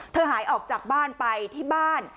หายออกจากบ้านไปที่บ้าน